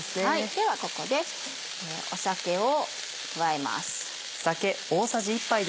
ではここで酒を加えます。